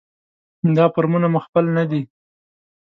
دا فورمونه مو خپل نه دي.